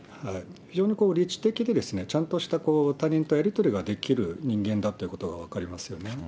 非常に理知的でちゃんとした他人とやり取りができる人間だということが分かりますよね。